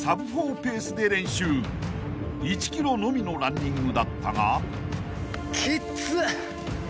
［１ｋｍのみのランニングだったが］